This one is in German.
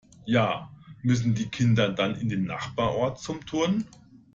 Ja, müssen die Kinder dann in den Nachbarort zum Turnen?